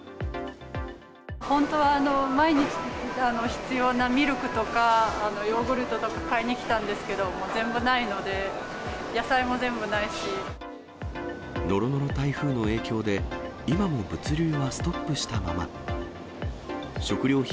本当は毎日、必要なミルクとか、ヨーグルトとか買いに来たんですけど、もう全のろのろ台風の影響で、今も物流はストップしたまま。